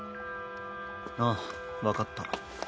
ああ分かった。